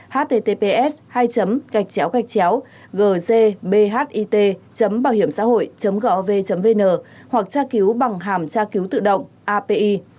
https hai gcbhit bhs gov vn hoặc tra cứu bằng hàm tra cứu tự động api